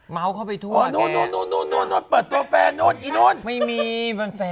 เม้าเขาไปทั่วแก่